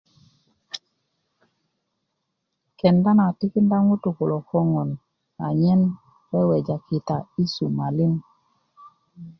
kenda na a tikinda ŋutuu kulo koŋon anyen weweja' kita yi sumalin